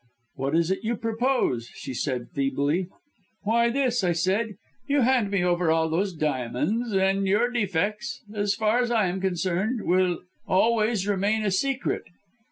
"'What is it you propose?' she said feebly. "'Why this,' I said, 'you hand me over all those diamonds, and your defects will as far as I am concerned always remain a secret.